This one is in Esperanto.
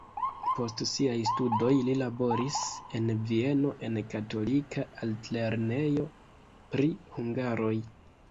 Post siaj studoj li laboris en Vieno en katolika altlernejo pri hungaroj.